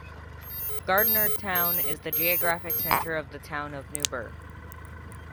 Gardnertown is the geographic center of the Town of Newburgh.